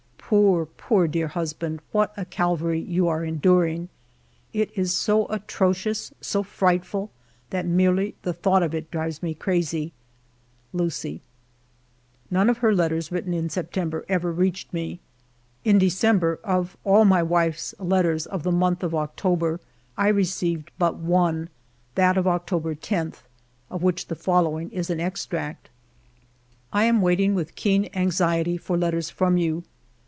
Poor, poor dear husband, what a Calvary you are enduring! ... It is so atrocious, so frightful, that merely the thought of it drives me crazy. ... Lucie." None of her letters written in September ever reached me. In December, of all my wife's letters of the month of October I received but one, that of October 10, of which the following is an extract: ALFRED DREYFUS 231 I am waiting with keen anxiety for letters from you.